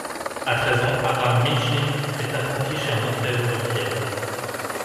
À treize ans, Abraham Mintchine est apprenti chez un orfèvre de Kiev.